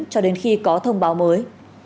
cho đến khi có thông báo mới